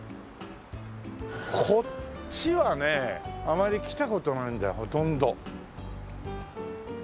こっちはねあまり来た事ないんだよほとんど。